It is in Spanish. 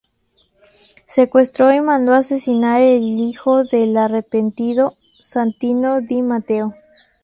Secuestró y mandó asesinar al hijo del "arrepentido" Santino di Matteo.